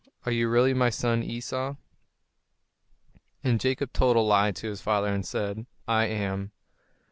Are you really my son Esau?" And Jacob told a lie to his father, and said, "I am."